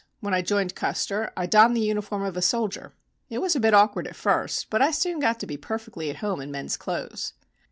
When I joined Custer I donned the uniform of a soldier. It was a bit awkward at first but I soon got to be perfectly at home in men's clothes.